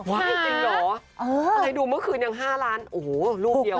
จริงเหรออะไรดูเมื่อคืนยัง๕ล้านโอ้โหลูกเดียว